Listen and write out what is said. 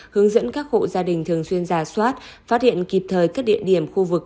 hướng dẫn các hộ gia đình thường xuyên giả soát phát hiện kịp thời các địa điểm khu vực